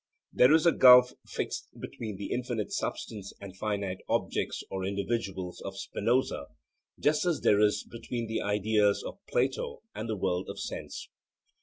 There is a gulf fixed between the infinite substance and finite objects or individuals of Spinoza, just as there is between the ideas of Plato and the world of sense.